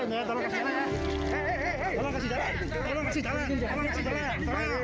tolong kasih jalan